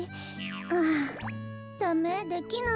ああダメできない。